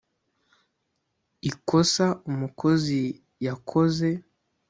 ikosa umukozi yakoze